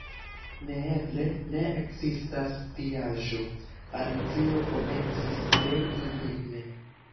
"Neeble, ne ekzistas tiaĵo," Alicio komencis tre indigne.